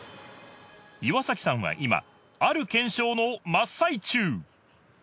岩崎さんは今ある検証の真っ最中！